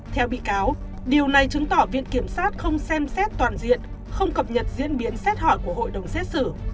theo bị cáo điều này chứng tỏ viện kiểm sát không xem xét toàn diện không cập nhật diễn biến xét hỏi của hội đồng xét xử